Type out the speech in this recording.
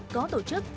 có tổ chức